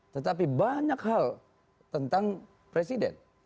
tetapi banyak hal tentang presiden